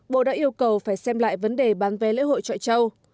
bộ đã yêu cầu phải xem lại vấn đề bán vé lễ hội trọi châu